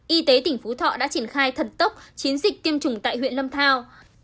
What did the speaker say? y tế tỉnh phú thọ đã triển khai thật tốc chiến dịch tiêm chủng tại huyện lâm thao